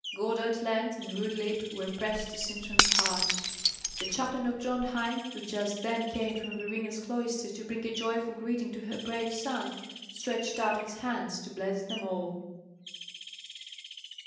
Gotthard Lenz and Rudlieb were pressed to Sintram's heart; the chaplain of Drontheim, who just then came from Verena's cloister to bring a joyful greeting to her brave son, stretched out his hands to bless them all.